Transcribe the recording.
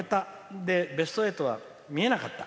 で、ベスト８は見えなかった？